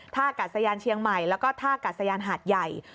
อากาศยานเชียงใหม่แล้วก็ท่ากัดสยานหาดใหญ่